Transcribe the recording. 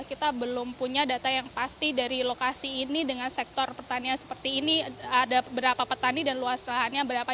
kita belum punya data yang pasti dari lokasi ini dengan sektor pertanian seperti ini ada berapa petani dan luas lahannya berapa